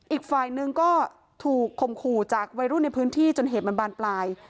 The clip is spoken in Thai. อีกฝ่ายนึงก็ถูกคมขู่จากวัยรุ่นในพื้นที่จนเหตุมันบานปลาย